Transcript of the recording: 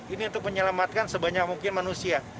ini untuk menyelamatkan sebanyak mungkin manusia